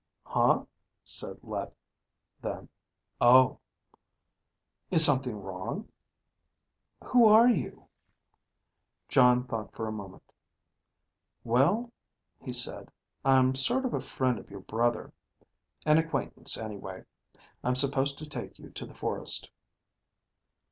"Huh?" said Let. Then, "Oh." "Is something wrong?" "Who are you?" Jon thought for a moment. "Well," he said. "I'm sort of a friend of your brother. An acquaintance, anyway. I'm supposed to take you to the forest."